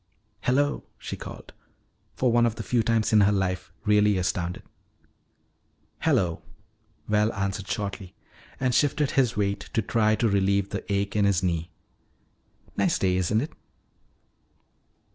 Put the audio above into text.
"Hello," she called, for one of the few times in her life really astounded. "Hello," Val answered shortly and shifted his weight to try to relieve the ache in his knee. "Nice day, isn't it?"